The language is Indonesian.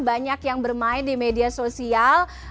banyak yang bermain di media sosial